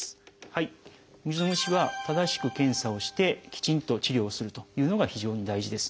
水虫は正しく検査をしてきちんと治療するというのが非常に大事です。